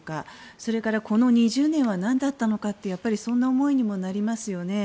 それから、この２０年はなんだったのかというようなそんな思いにもなりますよね。